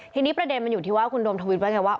ทีนี้ประเด็นอยู่ที่ว่าคุณโดมทวิตว่า